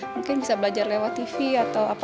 mungkin bisa belajar lewat tv atau apa